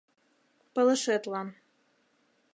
Пылышетлан